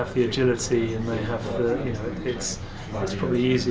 dan saya pikir yang bagus tentang perusahaan yang lebih kecil adalah